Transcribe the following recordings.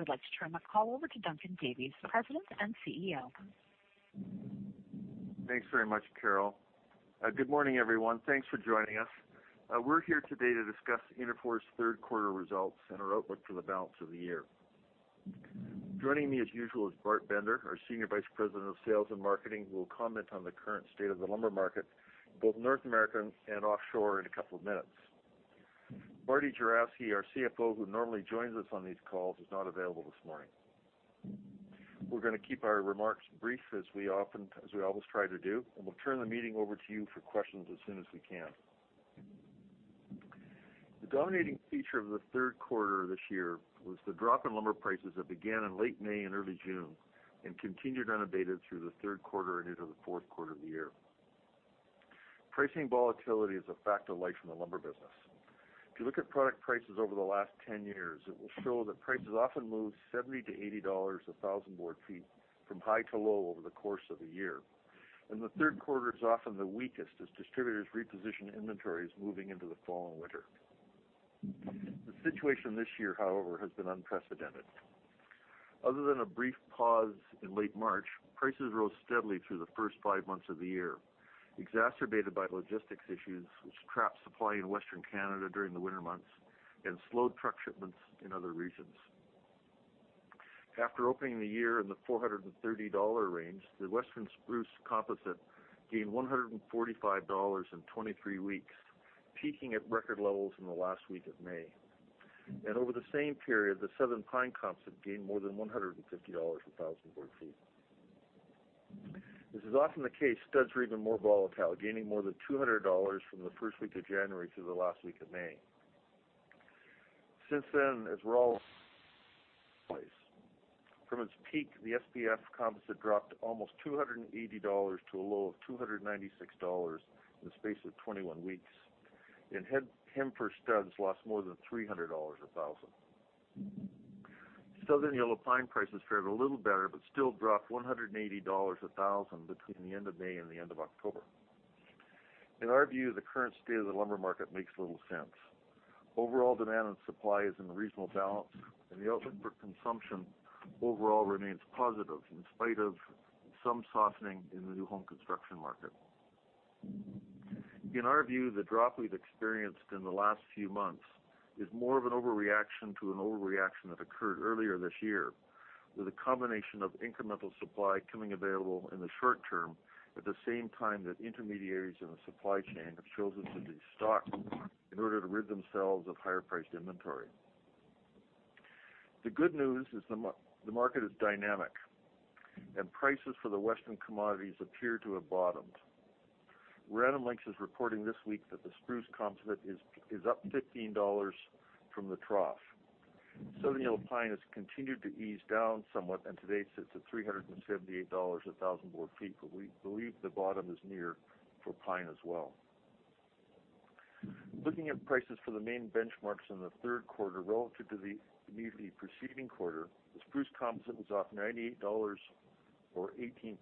I would like to turn the call over to Duncan Davies, President and CEO. Thanks very much, Carol. Good morning, everyone. Thanks for joining us. We're here today to discuss Interfor's third quarter results and our outlook for the balance of the year. Joining me as usual, is Bart Bender, our Senior Vice President of Sales and Marketing, who will comment on the current state of the lumber market, both North American and offshore, in a couple of minutes. Martin Juravsky, our CFO, who normally joins us on these calls, is not available this morning. We're gonna keep our remarks brief, as we always try to do, and we'll turn the meeting over to you for questions as soon as we can. The dominating feature of the third quarter this year was the drop in lumber prices that began in late May and early June, and continued unabated through the third quarter and into the fourth quarter of the year. Pricing volatility is a fact of life in the lumber business. If you look at product prices over the last 10 years, it will show that prices often move CAD 70-$80 a 1,000 board feet from high to low over the course of a year, and the third quarter is often the weakest as distributors reposition inventories moving into the fall and winter. The situation this year, however, has been unprecedented. Other than a brief pause in late March, prices rose steadily through the first five months of the year, exacerbated by logistics issues, which trapped supply in Western Canada during the winter months and slowed truck shipments in other regions. After opening the year in the 430 dollar range, the Western Spruce composite gained 145 dollars in 23 weeks, peaking at record levels in the last week of May. Over the same period, the Southern Pine composite gained more than 150 dollars a 1,000 board feet. This is often the case, studs are even more volatile, gaining more than 200 dollars from the first week of January through the last week of May. Since then, as we're all place. From its peak, the SPF composite dropped almost 280 dollars to a low of 296 dollars in the space of 21 weeks, and Hem-Fir studs lost more than 300 dollars a thousand. Southern Yellow Pine prices fared a little better, but still dropped 180 dollars a thousand between the end of May and the end of October. In our view, the current state of the lumber market makes little sense. Overall, demand and supply is in reasonable balance, and the outlook for consumption overall remains positive, in spite of some softening in the new home construction market. In our view, the drop we've experienced in the last few months is more of an overreaction to an overreaction that occurred earlier this year, with a combination of incremental supply becoming available in the short term, at the same time that intermediaries in the supply chain have chosen to destock in order to rid themselves of higher-priced inventory. The good news is the market is dynamic, and prices for the Western commodities appear to have bottomed. Random Lengths is reporting this week that the spruce composite is up 15 dollars from the trough. Southern Yellow Pine has continued to ease down somewhat, and today sits at 378 dollars a thousand board feet, but we believe the bottom is near for Pine as well. Looking at prices for the main benchmarks in the third quarter relative to the immediately preceding quarter, the spruce composite was off 98 dollars or 18%,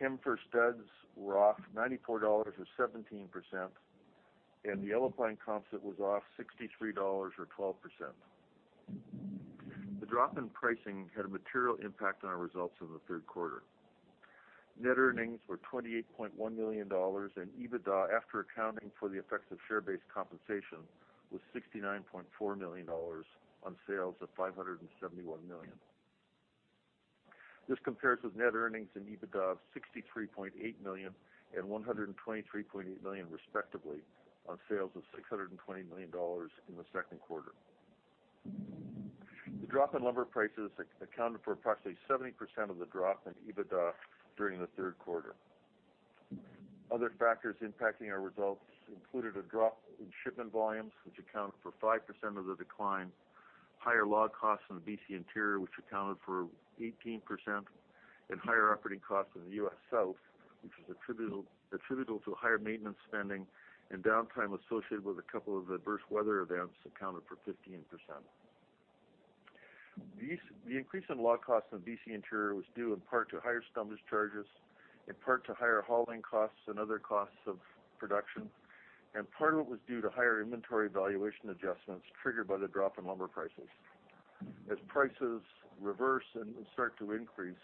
Hem-Fir studs were off 94 dollars or 17%, and the Yellow Pine composite was off 63 dollars or 12%. The drop in pricing had a material impact on our results in the third quarter. Net earnings were 28.1 million dollars, and EBITDA, after accounting for the effects of share-based compensation, was 69.4 million dollars on sales of 571 million. This compares with net earnings and EBITDA of 63.8 million and 123.8 million, respectively, on sales of 620 million dollars in the second quarter. The drop in lumber prices accounted for approximately 70% of the drop in EBITDA during the third quarter. Other factors impacting our results included a drop in shipment volumes, which accounted for 5% of the decline, higher log costs in the BC Interior, which accounted for 18%, and higher operating costs in the U.S. South, which is attributable to higher maintenance spending and downtime associated with a couple of adverse weather events, accounted for 15%. The increase in log costs in the BC Interior was due in part to higher stumpage charges, in part to higher hauling costs and other costs of production, and part of it was due to higher inventory valuation adjustments triggered by the drop in lumber prices. As prices reverse and start to increase,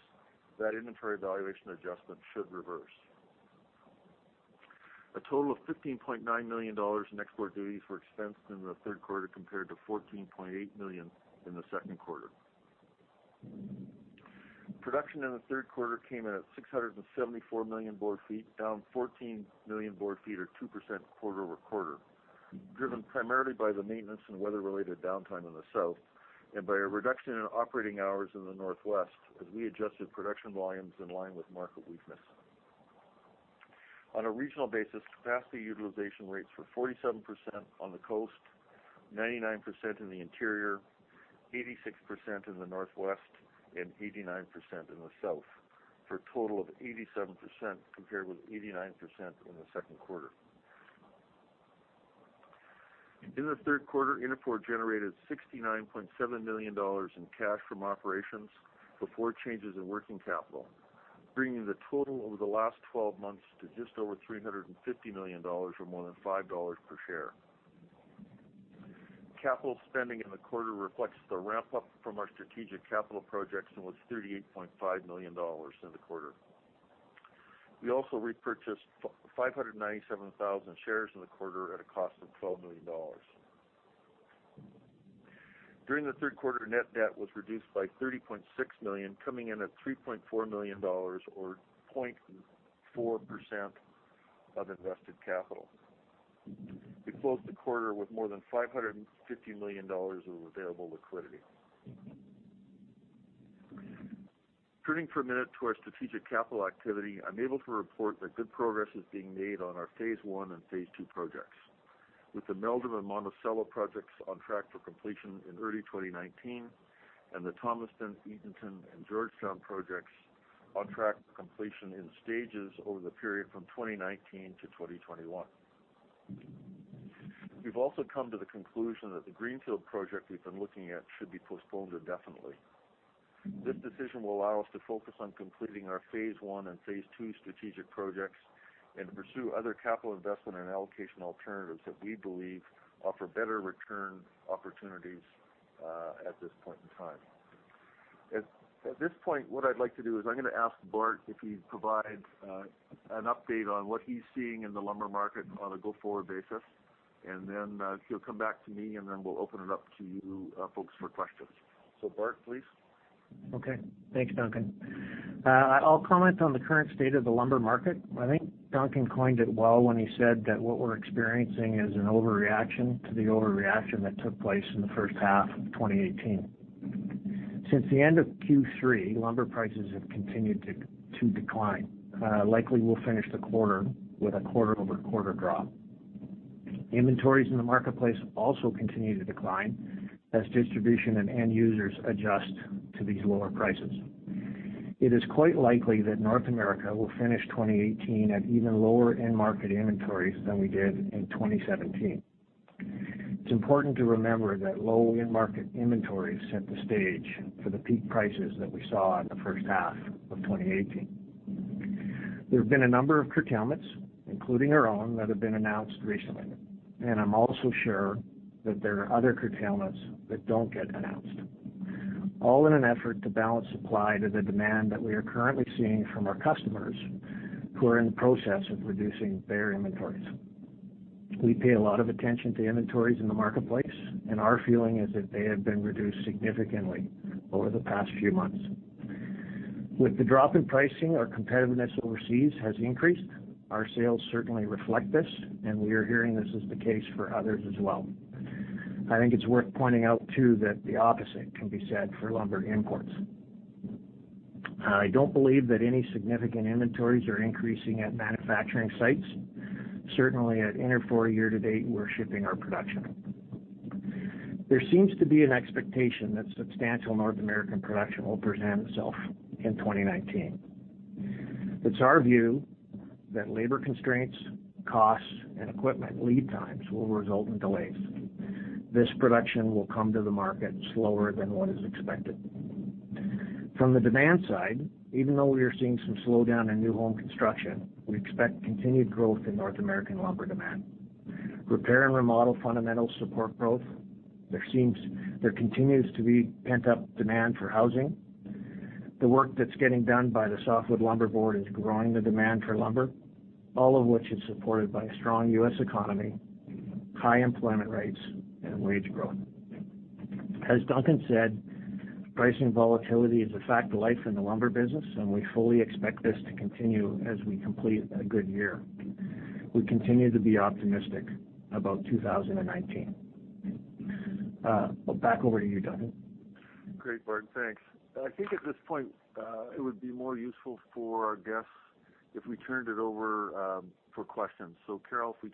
that inventory valuation adjustment should reverse. A total of 15.9 million dollars in export duties were expensed in the third quarter, compared to 14.8 million in the second quarter. Production in the third quarter came in at 674 million board feet, down 14 million board feet or 2% quarter-over-quarter, driven primarily by the maintenance and weather-related downtime in the South, and by a reduction in operating hours in the Northwest, as we adjusted production volumes in line with market weakness. On a regional basis, capacity utilization rates were 47% on the Coast, 99% in the Interior, 86% in the Northwest, and 89% in the South, for a total of 87%, compared with 89% in the second quarter. In the third quarter, Interfor generated 69.7 million dollars in cash from operations before changes in working capital… bringing the total over the last twelve months to just over 350 million dollars or more than 5 dollars per share. Capital spending in the quarter reflects the ramp up from our strategic capital projects and was 38.5 million dollars in the quarter. We also repurchased 597,000 shares in the quarter at a cost of 12 million dollars. During the third quarter, net debt was reduced by 30.6 million, coming in at 3.4 million dollars or 0.4% of invested capital. We closed the quarter with more than 550 million dollars of available liquidity. Turning for a minute to our strategic capital activity, I'm able to report that good progress is being made on our phase I and phase II projects, with the Meldrim and Monticello projects on track for completion in early 2019, and the Thomaston, Eatonton, and Georgetown projects on track for completion in stages over the period from 2019 to 2021. We've also come to the conclusion that the greenfield project we've been looking at should be postponed indefinitely. This decision will allow us to focus on completing our phase I and phase II strategic projects and pursue other capital investment and allocation alternatives that we believe offer better return opportunities, at this point in time. At this point, what I'd like to do is I'm gonna ask Bart if he'd provide an update on what he's seeing in the lumber market on a go-forward basis, and then he'll come back to me, and then we'll open it up to you, folks, for questions. So Bart, please? Okay. Thanks, Duncan. I'll comment on the current state of the lumber market. I think Duncan coined it well when he said that what we're experiencing is an overreaction to the overreaction that took place in the first half of 2018. Since the end of Q3, lumber prices have continued to decline. Likely, we'll finish the quarter with a quarter-over-quarter drop. Inventories in the marketplace also continue to decline as distribution and end users adjust to these lower prices. It is quite likely that North America will finish 2018 at even lower end market inventories than we did in 2017. It's important to remember that low end market inventories set the stage for the peak prices that we saw in the first half of 2018. There have been a number of curtailments, including our own, that have been announced recently, and I'm also sure that there are other curtailments that don't get announced, all in an effort to balance supply to the demand that we are currently seeing from our customers, who are in the process of reducing their inventories. We pay a lot of attention to inventories in the marketplace, and our feeling is that they have been reduced significantly over the past few months. With the drop in pricing, our competitiveness overseas has increased. Our sales certainly reflect this, and we are hearing this is the case for others as well. I think it's worth pointing out, too, that the opposite can be said for lumber imports. I don't believe that any significant inventories are increasing at manufacturing sites. Certainly, at Interfor, year to date, we're shipping our production. There seems to be an expectation that substantial North American production will present itself in 2019. It's our view that labor constraints, costs, and equipment lead times will result in delays. This production will come to the market slower than what is expected. From the demand side, even though we are seeing some slowdown in new home construction, we expect continued growth in North American lumber demand. Repair and remodel fundamentals support growth. There continues to be pent-up demand for housing. The work that's getting done by the Softwood Lumber Board is growing the demand for lumber, all of which is supported by a strong U.S. economy, high employment rates, and wage growth. As Duncan said, pricing volatility is a fact of life in the lumber business, and we fully expect this to continue as we complete a good year. We continue to be optimistic about 2019. Back over to you, Duncan. Great, Bart. Thanks. I think at this point, it would be more useful for our guests if we turned it over for questions. So Carol, if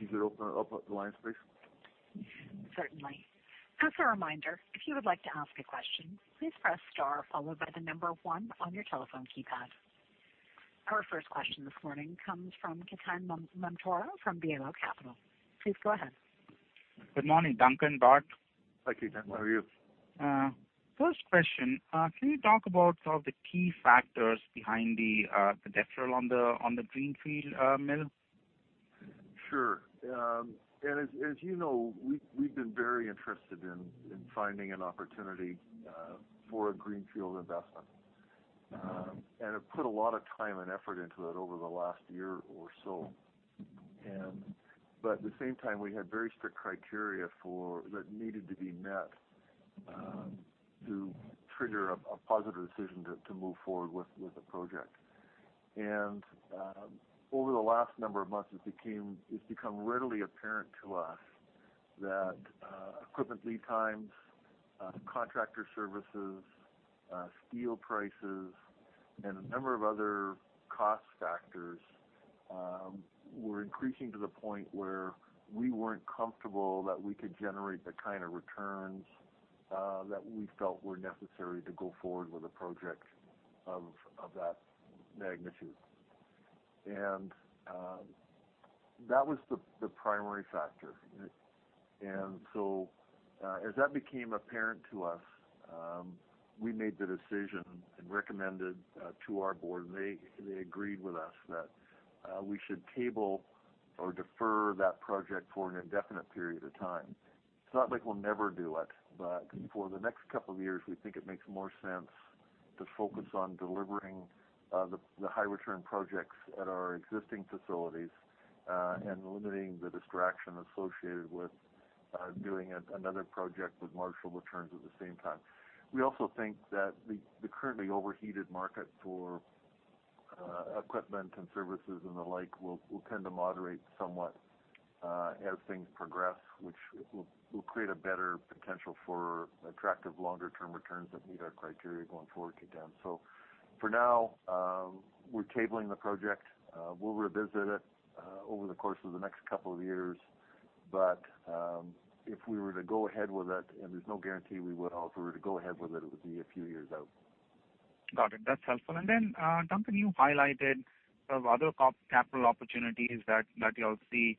you could open up the line, please. Certainly. Just a reminder, if you would like to ask a question, please press star followed by the number one on your telephone keypad. Our first question this morning comes from Ketan Mamtora from BMO Capital. Please go ahead. Good morning, Duncan, Bart. Hi, Ketan. How are you? First question: Can you talk about some of the key factors behind the deferral on the greenfield mill? Sure. Ketan, as you know, we've, we've been very interested in, in finding an opportunity, for a greenfield investment, and have put a lot of time and effort into it over the last year or so. And but at the same time, we had very strict criteria for... that needed to be met, to trigger a, a positive decision to, to move forward with, with the project. And, over the last number of months, it became, it's become readily apparent to us that, equipment lead times, contractor services, steel prices, and a number of other cost factors, were increasing to the point where we weren't comfortable that we could generate the kind of returns, that we felt were necessary to go forward with a project of, of that magnitude.... And, that was the, the primary factor. And so, as that became apparent to us, we made the decision and recommended to our board, and they agreed with us that we should table or defer that project for an indefinite period of time. It's not like we'll never do it, but for the next couple of years, we think it makes more sense to focus on delivering the high return projects at our existing facilities and limiting the distraction associated with doing another project with marginal returns at the same time. We also think that the currently overheated market for equipment and services and the like will tend to moderate somewhat as things progress, which will create a better potential for attractive longer-term returns that meet our criteria going forward, Ketan. So for now, we're tabling the project. We'll revisit it over the course of the next couple of years. But, if we were to go ahead with it, and there's no guarantee we would, if we were to go ahead with it, it would be a few years out. Got it. That's helpful. And then, Duncan, you highlighted other capital opportunities that you all see,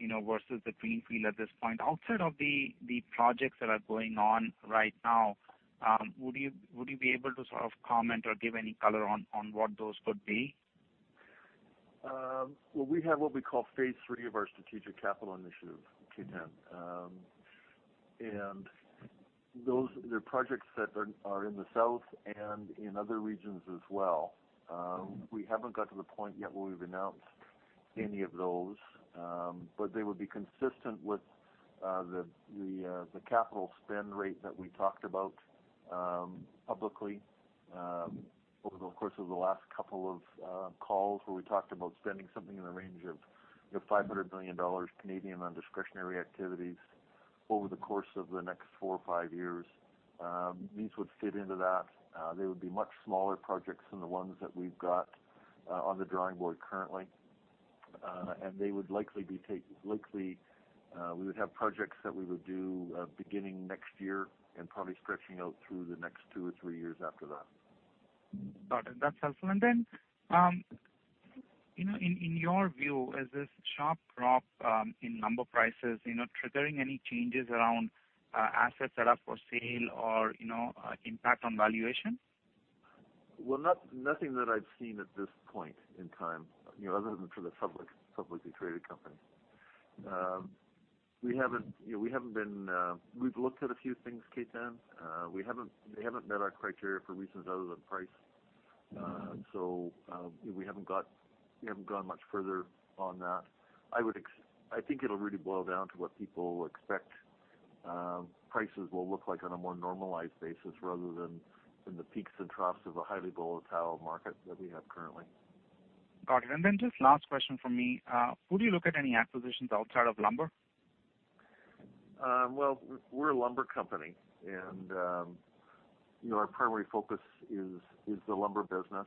you know, versus the greenfield at this point. Outside of the projects that are going on right now, would you be able to sort of comment or give any color on what those could be? Well, we have what we call phase III of our strategic capital initiative, Ketan. Those are projects that are in the South and in other regions as well. We haven't got to the point yet where we've announced any of those, but they would be consistent with the capital spend rate that we talked about publicly over the course of the last couple of calls, where we talked about spending something in the range of, you know, 500 million Canadian dollars on discretionary activities over the course of the next four or five years. These would fit into that. They would be much smaller projects than the ones that we've got on the drawing board currently. And they would likely, we would have projects that we would do, beginning next year and probably stretching out through the next two or three years after that. Got it. That's helpful. And then, you know, in your view, is this sharp drop in lumber prices, you know, triggering any changes around assets that are for sale or, you know, impact on valuation? Well, nothing that I've seen at this point in time, you know, other than for the publicly traded company. We haven't, you know, we haven't been. We've looked at a few things, Ketan. They haven't met our criteria for reasons other than price. Mm-hmm. So, we haven't gone much further on that. I think it'll really boil down to what people expect, prices will look like on a more normalized basis rather than in the peaks and troughs of a highly volatile market that we have currently. Got it. And then just last question from me, would you look at any acquisitions outside of lumber? Well, we're a lumber company, and you know, our primary focus is the lumber business.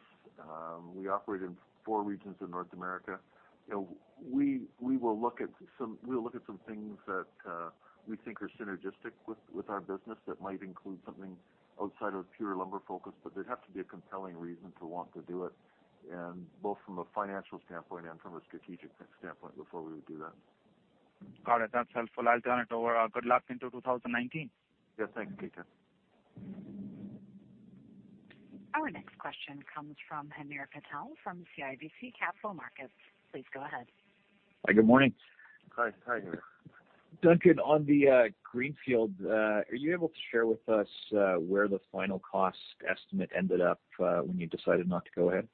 We operate in four regions in North America. You know, we'll look at some things that we think are synergistic with our business. That might include something outside of pure lumber focus, but there'd have to be a compelling reason to want to do it, and both from a financial standpoint and from a strategic standpoint, before we would do that. Got it. That's helpful. I'll turn it over. Good luck into 2019. Yes, thanks, Ketan. Our next question comes from Hamir Patel from CIBC Capital Markets. Please go ahead. Hi, good morning. Hi. Hi, Hamir. Duncan, on the greenfield, are you able to share with us where the final cost estimate ended up when you decided not to go ahead?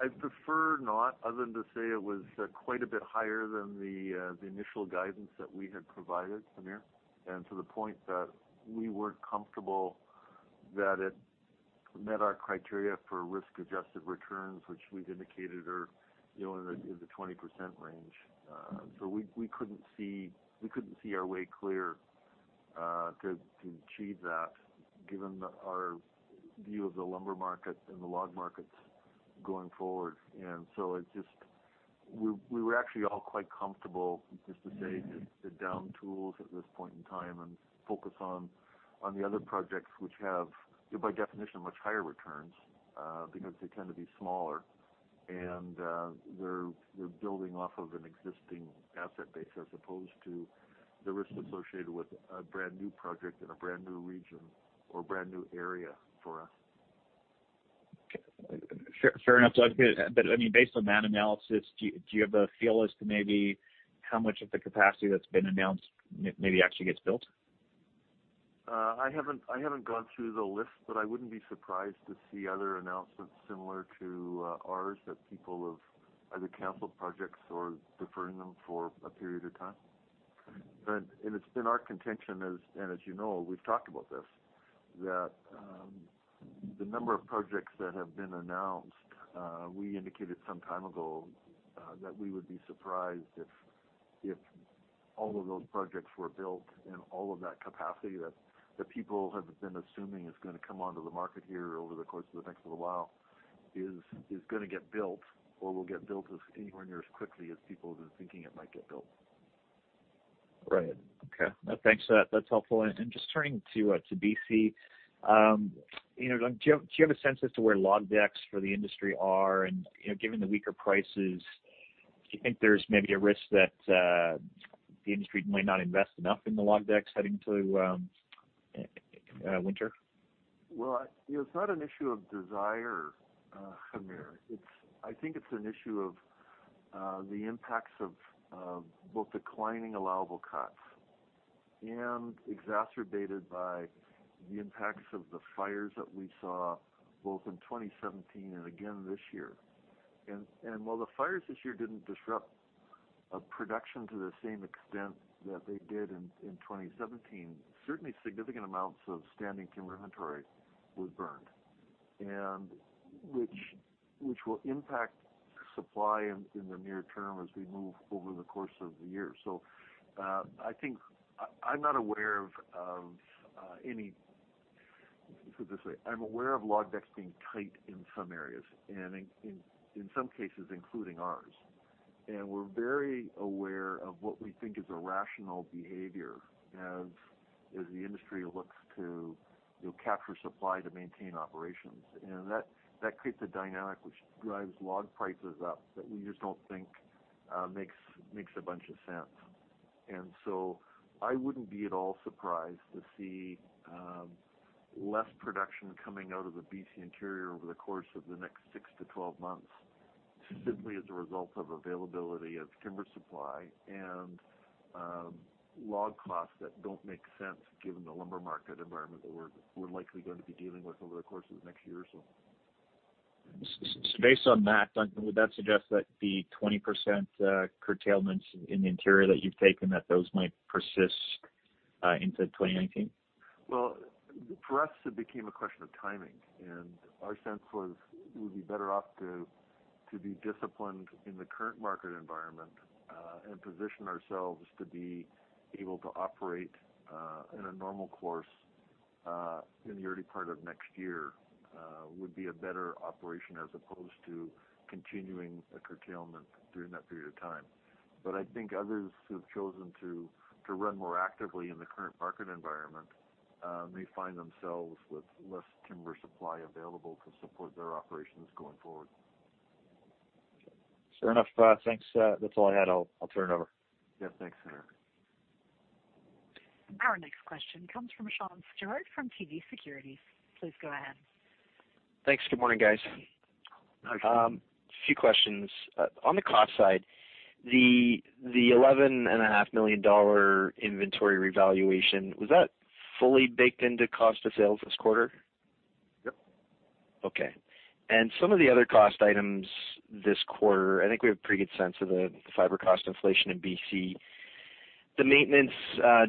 I'd prefer not, other than to say it was quite a bit higher than the initial guidance that we had provided, Hamir. And to the point that we weren't comfortable that it met our criteria for risk-adjusted returns, which we've indicated are, you know, in the 20% range. So we, we couldn't see, we couldn't see our way clear to achieve that, given our view of the lumber market and the log markets going forward. And so it just... We were actually all quite comfortable just to say to down tools at this point in time and focus on the other projects which have, by definition, much higher returns because they tend to be smaller, and they're building off of an existing asset base, as opposed to the risk associated with a brand-new project in a brand-new region or brand-new area for us. Okay. Fair, fair enough, Duncan. But, I mean, based on that analysis, do you have a feel as to maybe how much of the capacity that's been announced maybe actually gets built? I haven't gone through the list, but I wouldn't be surprised to see other announcements similar to ours, that people have either canceled projects or deferring them for a period of time. And it's been our contention, as you know, we've talked about this, that the number of projects that have been announced, we indicated some time ago, that we would be surprised if all of those projects were built and all of that capacity that people have been assuming is gonna come onto the market here over the course of the next little while is gonna get built or will get built as anywhere near as quickly as people have been thinking it might get built.... Right. Okay. No, thanks. That, that's helpful. And just turning to BC, you know, do you have a sense as to where log decks for the industry are? And, you know, given the weaker prices, do you think there's maybe a risk that the industry might not invest enough in the log decks heading to winter? Well, you know, it's not an issue of desire, Hamir. It's I think it's an issue of the impacts of both declining allowable cuts and exacerbated by the impacts of the fires that we saw both in 2017 and again this year. And while the fires this year didn't disrupt production to the same extent that they did in 2017, certainly significant amounts of standing timber inventory was burned, and which will impact supply in the near term as we move over the course of the year. So, I think I'm not aware of any. Put it this way, I'm aware of log decks being tight in some areas, and in some cases, including ours. And we're very aware of what we think is a rational behavior as the industry looks to, you know, capture supply to maintain operations. And that creates a dynamic which drives log prices up, that we just don't think makes a bunch of sense. And so I wouldn't be at all surprised to see less production coming out of the BC interior over the course of the next 6-12 months, simply as a result of availability of timber supply and log costs that don't make sense given the lumber market environment that we're likely going to be dealing with over the course of the next year or so. So based on that, Duncan, would that suggest that the 20% curtailments in the interior that you've taken, that those might persist into 2019? Well, for us, it became a question of timing, and our sense was we'd be better off to be disciplined in the current market environment, and position ourselves to be able to operate in a normal course in the early part of next year would be a better operation as opposed to continuing a curtailment during that period of time. But I think others who've chosen to run more actively in the current market environment may find themselves with less timber supply available to support their operations going forward. Fair enough. Thanks. That's all I had. I'll turn it over. Yeah. Thanks, Hamir. Our next question comes from Sean Steuart from TD Securities. Please go ahead. Thanks. Good morning, guys. Hi. A few questions. On the cost side, the 11.5 million dollar inventory revaluation, was that fully baked into cost of sales this quarter? Yep. Okay. Some of the other cost items this quarter, I think we have a pretty good sense of the fiber cost inflation in BC. The maintenance,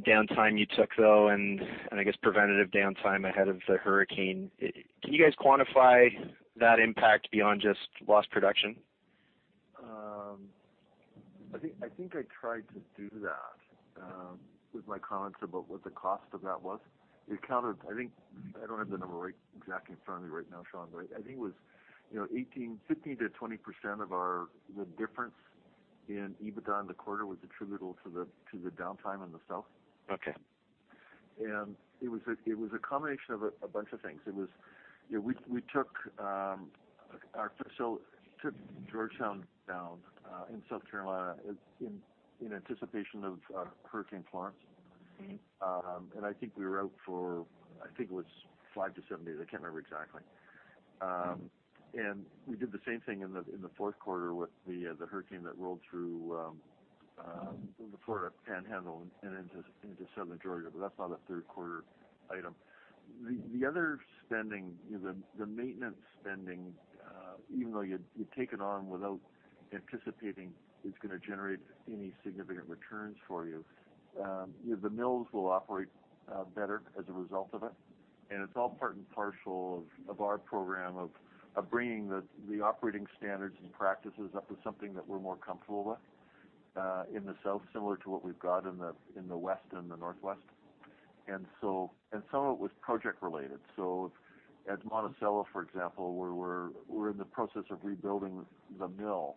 downtime you took, though, and I guess preventative downtime ahead of the hurricane, can you guys quantify that impact beyond just lost production? I think, I think I tried to do that with my comments about what the cost of that was. It accounted, I think... I don't have the number right exactly in front of me right now, Sean, but I think it was, you know, 15%-20% of our, the difference in EBITDA in the quarter was attributable to the, to the downtime in the South. Okay. It was a combination of a bunch of things. It was, you know, we took Georgetown down in South Carolina in anticipation of Hurricane Florence. Mm-hmm. And I think we were out for, I think it was 5-7 days. I can't remember exactly. And we did the same thing in the fourth quarter with the hurricane that rolled through the Florida Panhandle and into southern Georgia, but that's not a third quarter item. The other spending, you know, the maintenance spending, even though you take it on without anticipating it's gonna generate any significant returns for you, you know, the mills will operate better as a result of it, and it's all part and parcel of our program of bringing the operating standards and practices up to something that we're more comfortable with in the South, similar to what we've got in the West and the Northwest. And some of it was project related. So at Monticello, for example, where we're in the process of rebuilding the mill,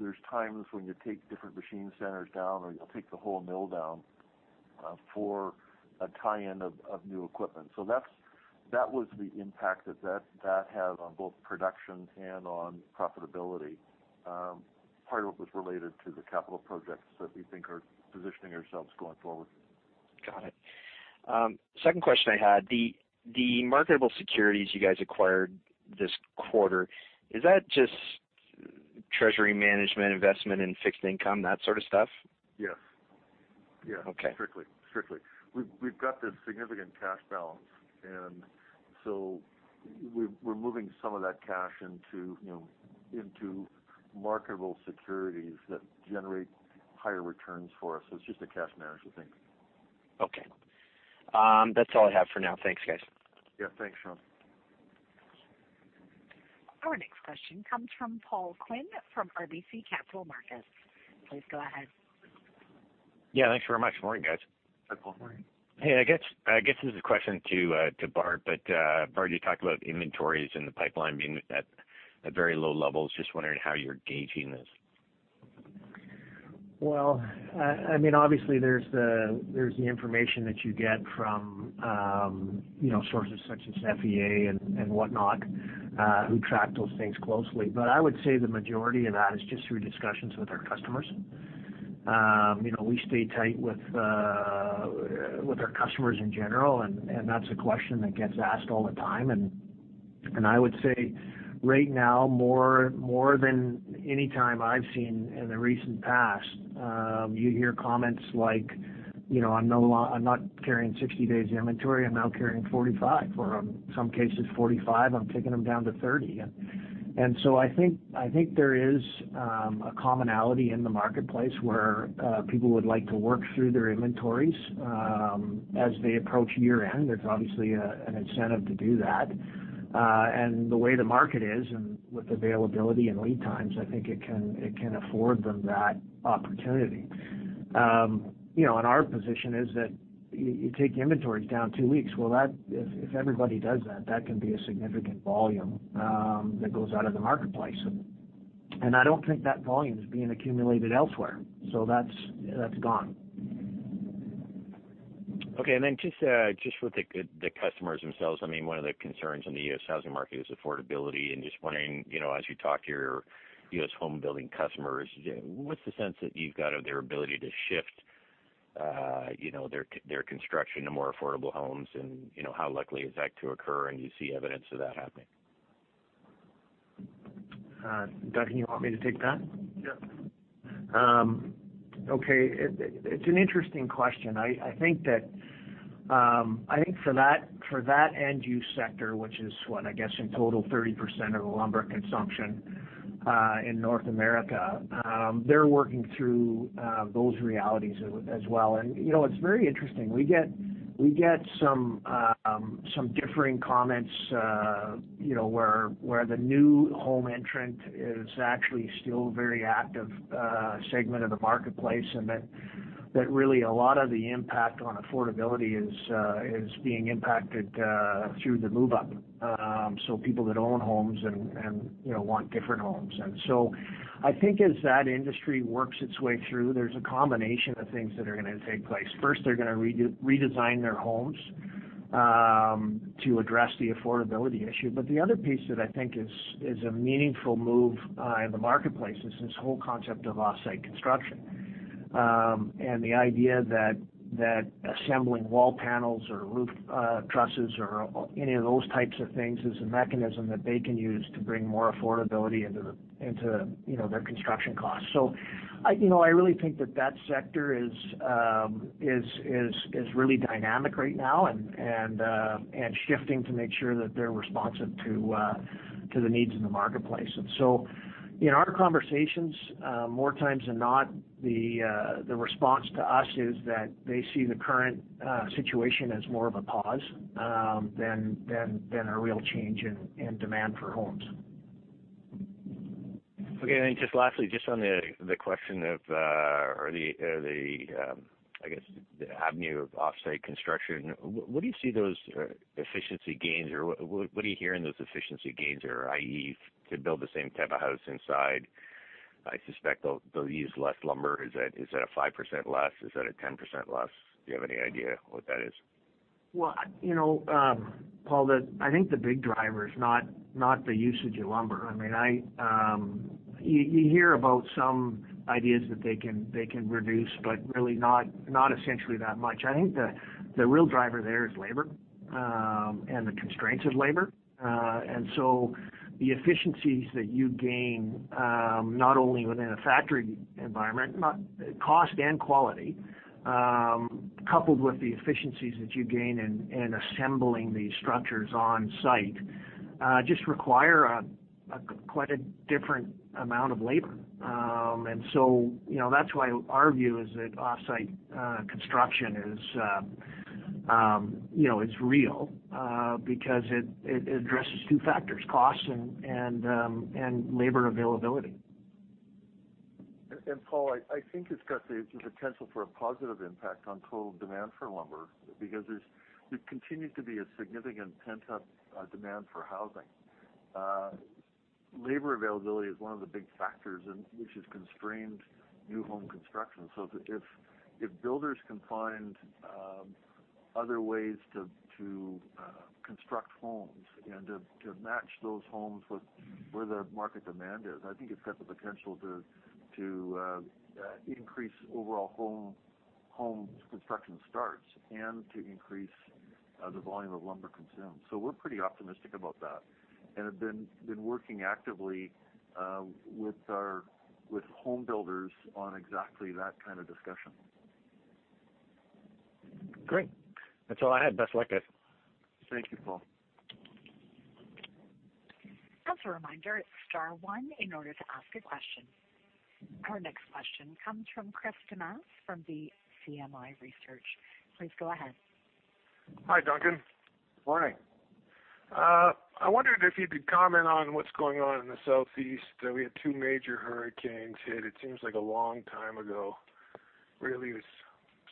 there are times when you take different machine centers down, or you'll take the whole mill down for a tie-in of new equipment. So that was the impact that had on both production and on profitability. Part of it was related to the capital projects that we think are positioning ourselves going forward. Got it. Second question I had, the marketable securities you guys acquired this quarter, is that just treasury management, investment in fixed income, that sort of stuff? Yes. Yes. Okay. Strictly. We've got this significant cash balance, and so we're moving some of that cash into, you know, marketable securities that generate higher returns for us. So it's just a cash management thing. Okay. That's all I have for now. Thanks, guys. Yeah, thanks, Sean. Our next question comes from Paul Quinn, from RBC Capital Markets. Please go ahead. Yeah, thanks very much. Morning, guys. Hey, I guess this is a question to Bart, but Bart, you talked about inventories in the pipeline being at very low levels. Just wondering how you're gauging this? Well, I mean, obviously, there's the information that you get from, you know, sources such as FEA and whatnot, who track those things closely. But I would say the majority of that is just through discussions with our customers. You know, we stay tight with our customers in general, and that's a question that gets asked all the time. And I would say right now, more than any time I've seen in the recent past, you hear comments like, "You know, I'm no lo- I'm not carrying 60 days of inventory, I'm now carrying 45," or, some cases, "45, I'm taking them down to 30." And so I think, I think there is a commonality in the marketplace where people would like to work through their inventories, as they approach year-end. There's obviously an incentive to do that. And the way the market is and with availability and lead times, I think it can afford them that opportunity. You know, and our position is that you take inventories down two weeks, well, that if everybody does that, that can be a significant volume that goes out of the marketplace. And I don't think that volume is being accumulated elsewhere, so that's gone. Okay. And then just with the customers themselves, I mean, one of the concerns in the U.S. housing market is affordability, and just wondering, you know, as you talk to your U.S. home building customers, what's the sense that you've got of their ability to shift, you know, their construction to more affordable homes? And, you know, how likely is that to occur, and you see evidence of that happening? Doug, you want me to take that? Yeah. Okay. It's an interesting question. I think for that end use sector, which is what, I guess, in total, 30% of the lumber consumption in North America, they're working through those realities as well. You know, it's very interesting. We get some differing comments, you know, where the new home entrant is actually still very active segment of the marketplace, and that really a lot of the impact on affordability is being impacted through the move-up. So people that own homes and you know want different homes. And so I think as that industry works its way through, there's a combination of things that are gonna take place. First, they're gonna redesign their homes to address the affordability issue. But the other piece that I think is a meaningful move in the marketplace is this whole concept of off-site construction. And the idea that assembling wall panels or roof trusses or any of those types of things is a mechanism that they can use to bring more affordability into the into you know their construction costs. So I you know I really think that sector is really dynamic right now and shifting to make sure that they're responsive to to the needs in the marketplace. And so in our conversations more times than not the response to us is that they see the current situation as more of a pause than a real change in demand for homes. Okay. And then just lastly, just on the question of, or the avenue of off-site construction, what do you see those efficiency gains, or what do you hear in those efficiency gains are, i.e., to build the same type of house inside, I suspect they'll use less lumber. Is that a 5% less? Is that a 10% less? Do you have any idea what that is? Well, you know, Paul, I think the big driver is not the usage of lumber. I mean, you hear about some ideas that they can reduce, but really not essentially that much. I think the real driver there is labor and the constraints of labor. And so the efficiencies that you gain, not only within a factory environment, cost and quality, coupled with the efficiencies that you gain in assembling these structures on site, just require quite a different amount of labor. And so you know, that's why our view is that off-site construction is real, because it addresses two factors: cost and labor availability. Paul, I think it's got the potential for a positive impact on total demand for lumber because there continues to be a significant pent-up demand for housing. Labor availability is one of the big factors which has constrained new home construction. So if builders can find other ways to construct homes and to match those homes with where the market demand is, I think it's got the potential to increase overall home construction starts and to increase the volume of lumber consumed. So we're pretty optimistic about that and have been working actively with our with home builders on exactly that kind of discussion. Great. That's all I had. Best luck, guys. Thank you, Paul. As a reminder, star one in order to ask a question. Our next question comes from Chris Damas from BCMI Research. Please go ahead.... Hi, Duncan. Morning. I wondered if you could comment on what's going on in the Southeast. We had two major hurricanes hit. It seems like a long time ago. Really, it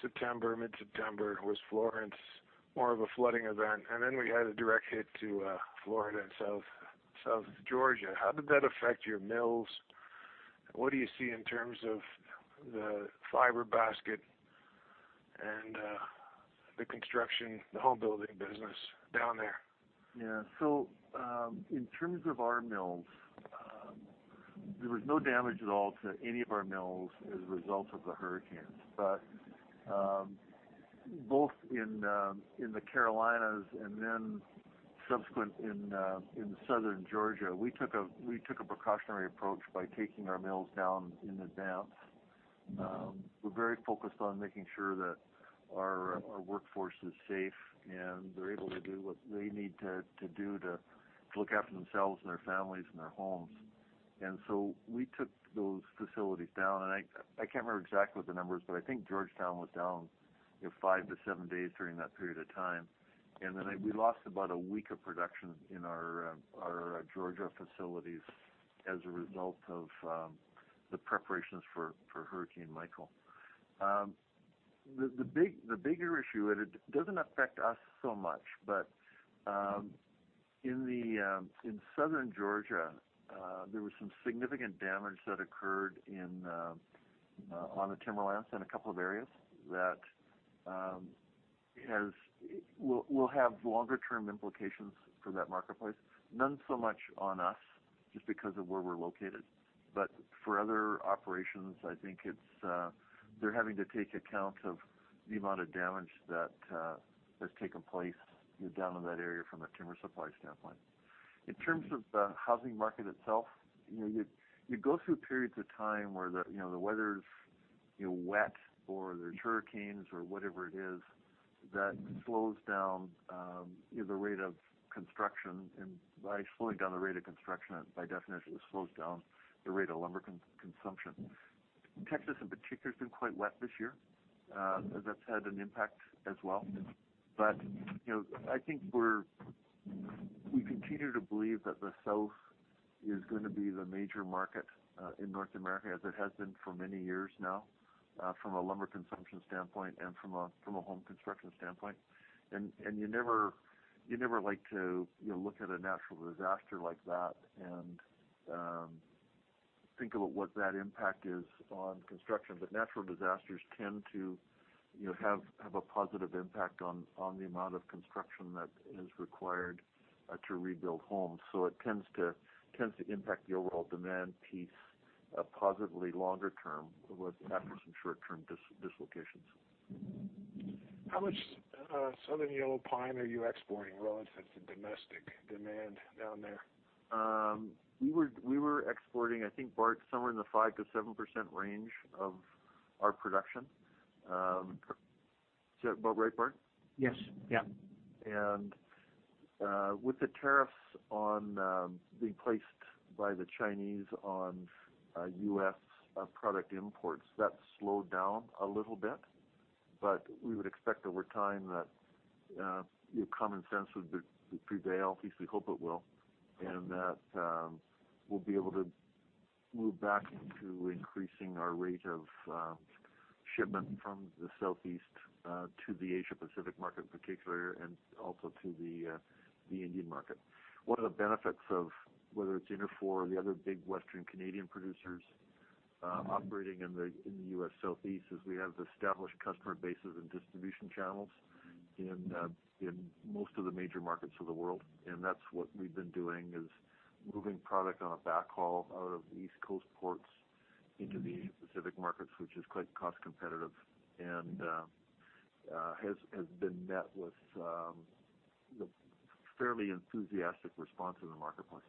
was September, mid-September, was Florence, more of a flooding event, and then we had a direct hit to, Florida and South, South Georgia. How did that affect your mills? What do you see in terms of the fiber basket and, the construction, the home building business down there? Yeah. So, in terms of our mills, there was no damage at all to any of our mills as a result of the hurricanes. But, both in the Carolinas and then subsequent in southern Georgia, we took a, we took a precautionary approach by taking our mills down in advance. We're very focused on making sure that our, our workforce is safe, and they're able to do what they need to, to do to, to look after themselves and their families and their homes. And so we took those facilities down, and I, I can't remember exactly what the numbers, but I think Georgetown was down, you know, 5-7 days during that period of time. Then we lost about a week of production in our Georgia facilities as a result of the preparations for Hurricane Michael. The bigger issue, and it doesn't affect us so much, but in southern Georgia there was some significant damage that occurred on the timberlands in a couple of areas that will have longer term implications for that marketplace. None so much on us, just because of where we're located. But for other operations, I think it's they're having to take account of the amount of damage that has taken place down in that area from a timber supply standpoint. In terms of the housing market itself, you know, you go through periods of time where the, you know, the weather's, you know, wet or there are hurricanes or whatever it is, that slows down, you know, the rate of construction. And by slowing down the rate of construction, by definition, it slows down the rate of lumber consumption. Texas, in particular, has been quite wet this year. That's had an impact as well. But, you know, I think we continue to believe that the South is gonna be the major market, in North America, as it has been for many years now, from a lumber consumption standpoint and from a, from a home construction standpoint. And, and you never, you never like to, you know, look at a natural disaster like that and, think about what that impact is on construction. But natural disasters tend to, you know, have a positive impact on the amount of construction that is required to rebuild homes. So it tends to impact the overall demand piece positively longer term, with after some short-term dislocations. How much, Southern Yellow Pine are you exporting relative to domestic demand down there? We were exporting, I think, Bart, somewhere in the 5%-7% range of our production. Is that about right, Bart? Yes. Yeah. With the tariffs on being placed by the Chinese on U.S. product imports, that slowed down a little bit. But we would expect over time that common sense would prevail. At least we hope it will, and that we'll be able to move back into increasing our rate of shipment from the Southeast to the Asia Pacific market in particular, and also to the Indian market. One of the benefits of whether it's Interfor or the other big Western Canadian producers operating in the U.S. Southeast is we have established customer bases and distribution channels in most of the major markets of the world. That's what we've been doing, is moving product on a backhaul out of East Coast ports into the Pacific markets, which is quite cost competitive and has been met with a fairly enthusiastic response in the marketplace.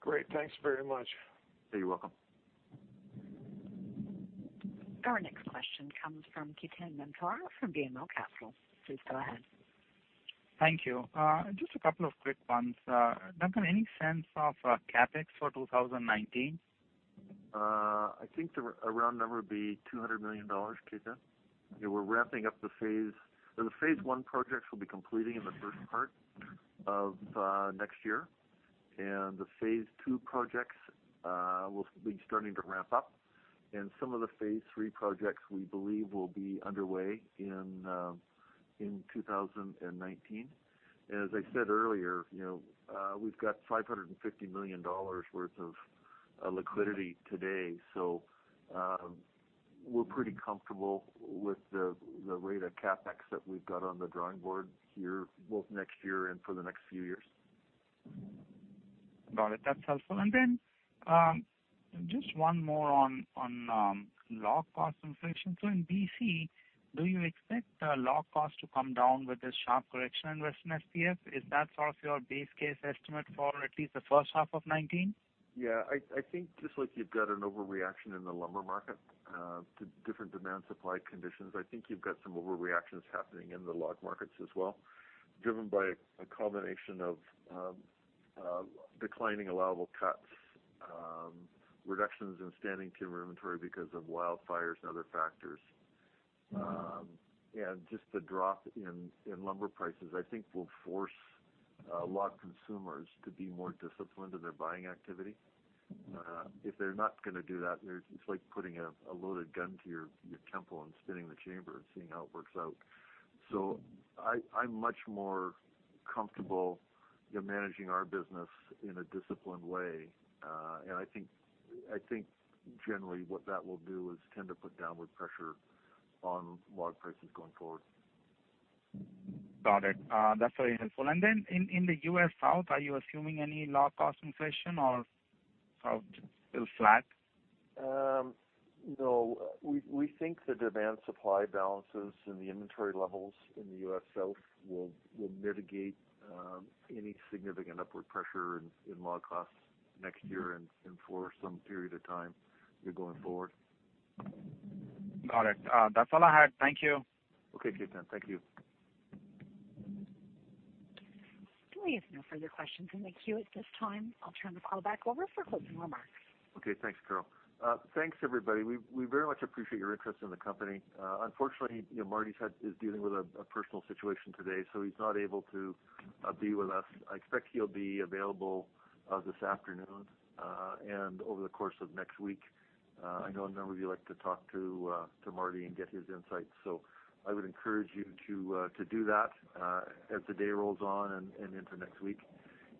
Great. Thanks very much. You're welcome. Our next question comes from Ketan Mamtora from BMO Capital Markets. Please go ahead. Thank you. Just a couple of quick ones. Duncan, any sense of CapEx for 2019? I think a round number would be 200 million dollars, Ketan. We're ramping up the phase. The phase I projects will be completing in the first part of next year, and the phase II projects will be starting to ramp up, and some of the phase III projects we believe will be underway in 2019. As I said earlier, you know, we've got 550 million dollars worth of liquidity today, so we're pretty comfortable with the rate of CapEx that we've got on the drawing board here, both next year and for the next few years. Got it. That's helpful. And then, just one more on log cost inflation. So in BC, do you expect the log cost to come down with this sharp correction in Western SPF? Is that sort of your base case estimate for at least the first half of 2019? Yeah, I think just like you've got an overreaction in the lumber market to different demand supply conditions, I think you've got some overreactions happening in the log markets as well, driven by a combination of reductions in standing timber inventory because of wildfires and other factors. And just the drop in lumber prices, I think, will force log consumers to be more disciplined in their buying activity. If they're not gonna do that, it's like putting a loaded gun to your temple and spinning the chamber and seeing how it works out. So I'm much more comfortable managing our business in a disciplined way. And I think generally what that will do is tend to put downward pressure on log prices going forward. Got it. That's very helpful. And then in the U.S. South, are you assuming any log cost inflation or sort of still flat? No, we think the demand-supply balances and the inventory levels in the U.S. South will mitigate any significant upward pressure in log costs next year and for some period of time going forward. Got it. That's all I had. Thank you. Okay, Ketan. Thank you. We have no further questions in the queue at this time. I'll turn the call back over for closing remarks. Okay, thanks, Carol. Thanks, everybody. We very much appreciate your interest in the company. Unfortunately, you know, Martin is dealing with a personal situation today, so he's not able to be with us. I expect he'll be available this afternoon and over the course of next week. I know a number of you like to talk to Martin and get his insights, so I would encourage you to do that as the day rolls on and into next week.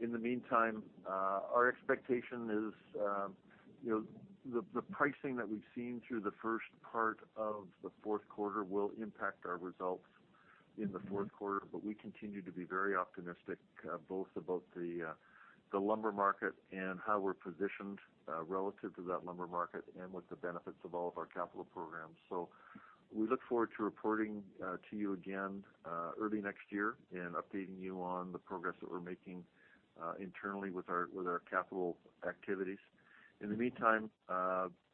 In the meantime, our expectation is, you know, the pricing that we've seen through the first part of the fourth quarter will impact our results in the fourth quarter. But we continue to be very optimistic, both about the lumber market and how we're positioned relative to that lumber market and with the benefits of all of our capital programs. So we look forward to reporting to you again early next year and updating you on the progress that we're making internally with our capital activities. In the meantime,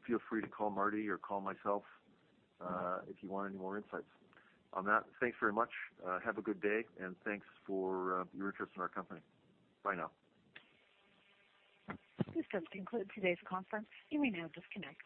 feel free to call Martin or call myself if you want any more insights. On that, thanks very much, have a good day, and thanks for your interest in our company. Bye now. This does conclude today's conference. You may now disconnect.